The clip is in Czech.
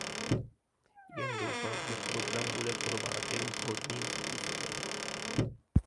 Jen doufám, že program bude prováděn vhodným způsobem.